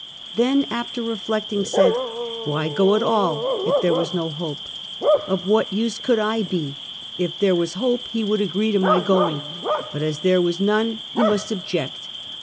Then, after reflecting, said, why go at all, if there was no hope? Of what use could I be? If there was hope, he would agree to my going, but as there was none, he must object.